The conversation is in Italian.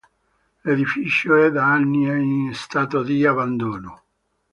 L'edificio è da anni è in stato di abbandono.